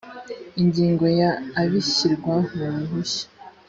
ingingo ya ibishyirwa mu ruhushya